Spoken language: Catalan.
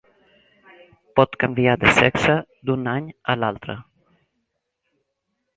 Pot canviar de sexe d'un any a l'altre.